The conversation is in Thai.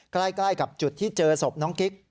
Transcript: ใกล้กับจุดที่เจอศพน้องกิ๊ก